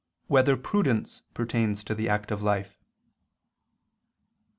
2] Whether Prudence Pertains to the Active Life?